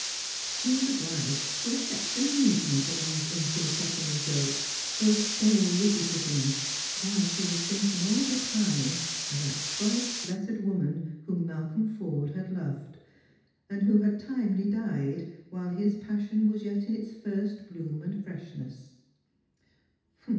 She was^obliged to affect amusement at those infinitesimal jokes, those stale witticisms, while she was thinking all the time of that thrice blessed woman whom ]\Ialcolm Forde had loved, and who had timely died while his passion was yet in its first bloom and freshness.